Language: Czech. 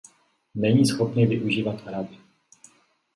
Není schopný využívat Araby.